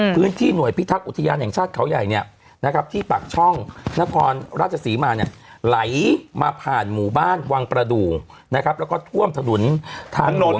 พื้นที่หน่วยพิทักษ์อุทยานแห่งชาติเขาใหญ่ที่ปากช่องนครราชศรีมาเนี่ยไหลมาผ่านหมู่บ้านวังประดูกนะครับแล้วก็ท่วมถนนทางหลวง